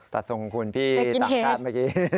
ตัดส่งของคุณพี่ต่างชาติเมื่อกี้